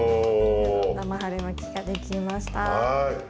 生春巻きができました。